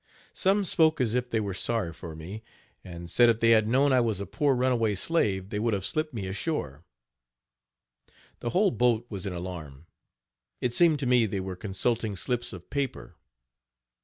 Some spoke as if they were sorry for me. and said if they had known I was a poor runaway slave they would have slipped me ashore. The whole boat was in alarm. It seemed to me they were consulting slips of paper.